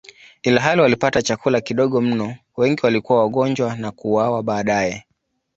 Ilhali walipata chakula kidogo mno, wengi walikuwa wagonjwa na kuuawa baadaye.